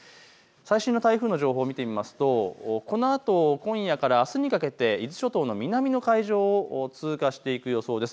最新の台風の情報を見てみますとこのあと今夜からあすにかけて伊豆諸島の南の海上を通過していく予想です。